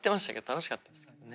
楽しかったですけどね。